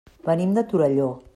Venim de Torelló.